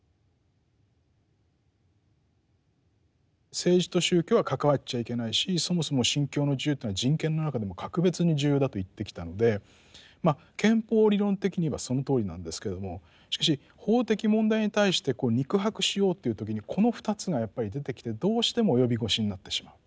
政治と宗教は関わっちゃいけないしそもそも信教の自由というのは人権の中でも格別に重要だと言ってきたのでまあ憲法理論的にはそのとおりなんですけれどもしかし法的問題に対して肉薄しようという時にこの２つがやっぱり出てきてどうしても及び腰になってしまう。